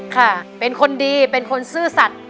ค่ะเป็นคนดีเป็นคนซื่อสัตว์